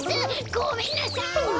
ごめんなさい！